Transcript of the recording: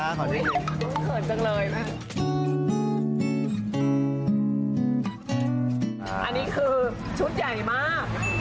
อันนี้คือชุดใหญ่มาก